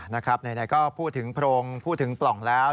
นะครับในนี้ก็พูดถึงโพรงพูดถึงปล่องแล้ว